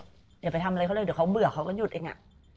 อย่าไปทำอะไรเขาเลยเดี๋ยวเขาเบื่อเขาก็หยุดเองอะ